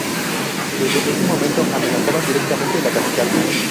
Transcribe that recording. Desde ese momento, amenazaban directamente la capital.